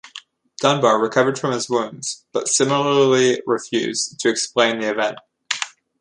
Dunbar recovered from his wounds, but similarly refused to explain the event.